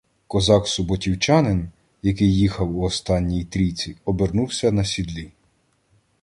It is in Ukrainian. Козак-суботівчанин, який їхав у останній трійці, обернувся на сідлі.